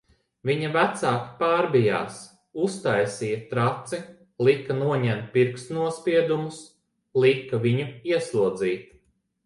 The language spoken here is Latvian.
Viņa vecāki pārbijās, uztaisīja traci, lika noņemt pirkstu nospiedumus, lika viņu ieslodzīt...